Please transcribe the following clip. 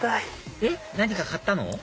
えっ何か買ったの？